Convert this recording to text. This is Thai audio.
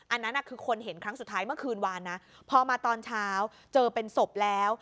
อันนั้นคือคนเห็นครั้งสุดท้ายเมื่อคืนวานนะพอมาตอนเช้าเจอเป็นศพแล้ว